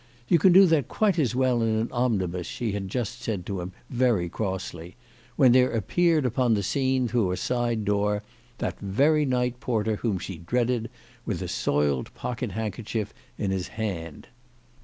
" You can do that quite as well in an omnibus/' she had just said to him very crossly, when there appeared upon the scene through a side door that very night porter whom she dreaded, with a soiled pocket handkerchief in his hand.